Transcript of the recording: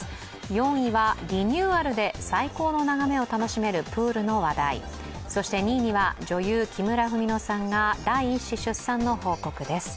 ４位はリニューアルで最高の眺めを楽しめるプールの話題、そして２位には女優・木村文乃さんが第１子出産の報告です。